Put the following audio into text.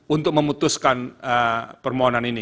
untuk memutuskan permohonan ini